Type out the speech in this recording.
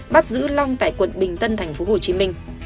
bắt giữ long tại quận bình tân thành phố hồ chí minh